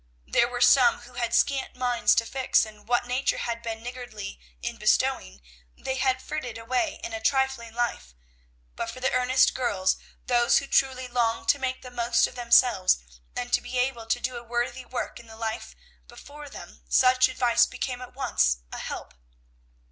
There were some who had scant minds to fix, and what nature had been niggardly in bestowing, they had frittered away in a trifling life; but for the earnest girls, those who truly longed to make the most of themselves and to be able to do a worthy work in the life before them, such advice became at once a help.